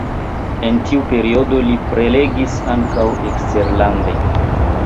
En tiu periodo li prelegis ankaŭ eksterlande.